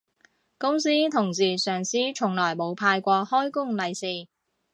公司同事上司從來冇派過開工利是